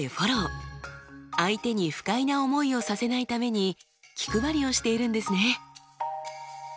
相手に不快な思いをさせないために気配りをしているんですね。